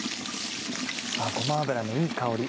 ごま油のいい香り。